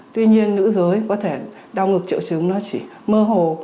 tuy nhiên nữ giới có thể đau ngược triệu chứng nó chỉ mơ hồ